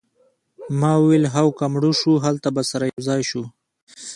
ما وویل هو که مړه شوو هلته به سره یوځای شو